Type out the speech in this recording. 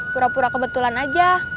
pura pura kebetulan aja